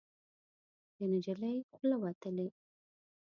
د نجلۍ خوله وتلې